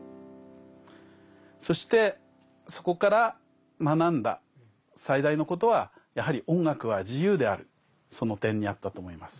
そしてそこから学んだ最大のことはやはりその点にあったと思います。